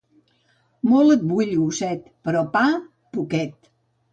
Molt et vull, gosset, però pa, poquet.